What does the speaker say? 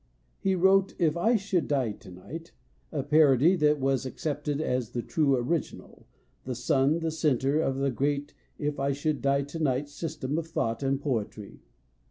He wrote " If I Should Die Tonight " a parody that was accepted as the true original, the sun, the center of the great If I should die tonight system of thought and poetry.